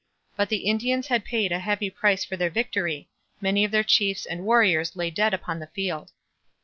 But the Indians had paid a heavy price for their victory; many of their chiefs and warriors lay dead upon the field.